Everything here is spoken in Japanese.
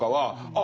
あ